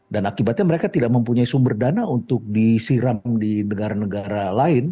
dan akibatnya mereka tidak mempunyai sumber dana untuk disiram di negara negara lain